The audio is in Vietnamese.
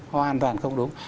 hoàn toàn không đúng